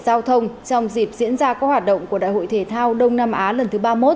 giao thông trong dịp diễn ra có hoạt động của đại hội thể thao đông nam á lần thứ ba mươi một sea games ba mươi một